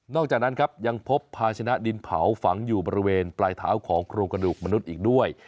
จากนั้นครับยังพบภาชนะดินเผาฝังอยู่บริเวณปลายเท้าของโครงกระดูกมนุษย์อีกด้วย